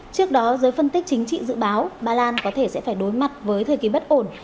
trước đó giới phân tích chính trị dự báo bà lan có thể sẽ phải đối mặt với thời kỳ bất ổn